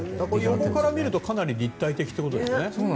横から見るとかなり立体的ってことですね。